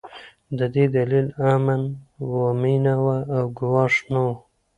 د دې دلیل امن و، مينه وه او ګواښ نه و.